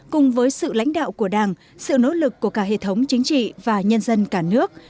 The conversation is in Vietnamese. cùng với sự lãnh đạo của đảng sự nỗ lực của cả hệ thống chính trị và nhân dân cả nước